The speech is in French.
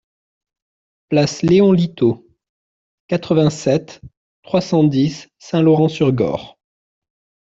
Place Léon Litaud, quatre-vingt-sept, trois cent dix Saint-Laurent-sur-Gorre